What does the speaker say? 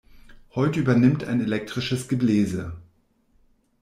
Heute übernimmt ein elektrisches Gebläse.